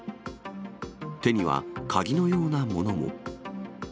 手には鍵のようなものも。